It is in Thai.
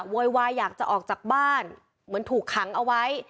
โวยวายอยากจะออกจากบ้านเหมือนถูกขังเอาไว้